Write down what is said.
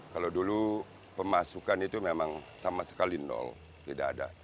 kalau dulu pemasukan itu memang sama sekali nol tidak ada